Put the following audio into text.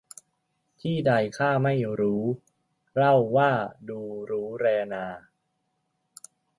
ที่ใดข้าไม่รู้ เล่าว่าดูรู้แลนา